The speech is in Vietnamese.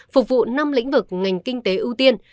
phục vụ năm lĩnh vực ngành kinh tế ưu tiên